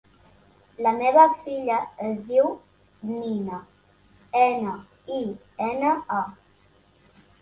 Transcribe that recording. La meva filla es diu Nina: ena, i, ena, a.